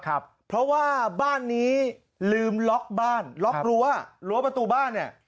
เพราะว่าบ้านนี้ลืมล็อกบ้านล็อกรั้วรั้วประตูบ้านเนี่ย